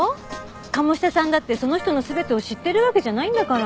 鴨志田さんだってその人の全てを知ってるわけじゃないんだから。